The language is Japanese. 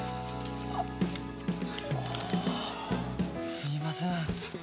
すいません。